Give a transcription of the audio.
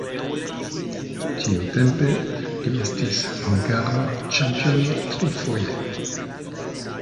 Tiutempe li estis hungara ĉampiono trifoje.